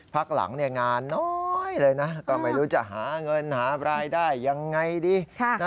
พักหลังงานน้อยเลยนะก็ไม่รู้จะหาเงินหารายได้ยังไงดี